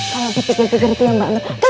kalo dipikir pikir itu ya mbak rena